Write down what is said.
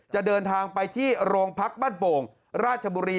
จะเดินทางไปที่โรงพักบ้านโป่งราชบุรี